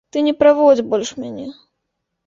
Ты не праводзь больш мяне.